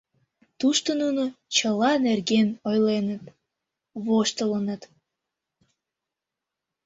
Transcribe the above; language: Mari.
Тушто нуно чыла нерген ойленыт, воштылыныт.